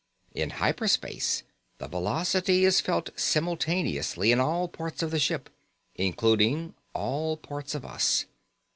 In hyper space the velocity is felt simultaneously in all parts of the ship, including all parts of us.